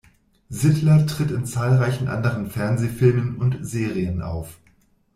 Sittler tritt in zahlreichen anderen Fernsehfilmen und -serien auf.